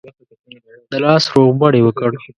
د لاس روغبړ یې وکړ.